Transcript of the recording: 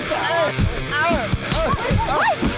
ตายเลย